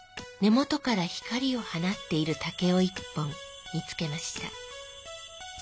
元から光をはなっている竹を一本見つけました。